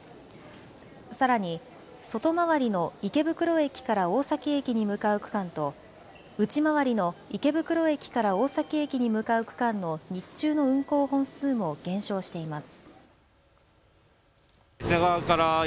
さらに外回りの池袋駅から大崎駅に向かう区間と内回りの池袋駅から大崎駅に向かう区間の日中の運行本数も減少しています。